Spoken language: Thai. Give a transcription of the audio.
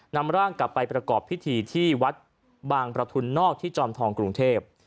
นำร่างกลับไปประกอบพิธีที่วัดบางประทุนนอกที่จอมทองกรุงเทพ